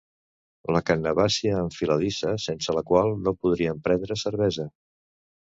La cannabàcia enfiladissa sense la qual no podríem prendre cervesa.